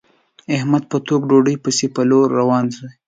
احمد په ټوک ډوډۍ پسې په څلور روان وي.